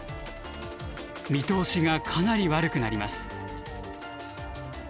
見通しがかなり悪くなります。